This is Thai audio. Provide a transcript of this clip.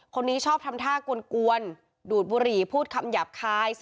คนนี้ชอบทำท่ากวนดูดบุหรี่พูดคำหยาบคาย